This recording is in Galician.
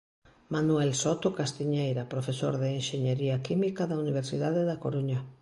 Manuel Soto Castiñeira, profesor de Enxeñería Química da Universidade da Coruña.